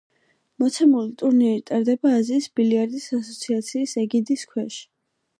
მოცემული ტურნირი ტარდება აზიის ბილიარდის ასოციაციის ეგიდის ქვეშ.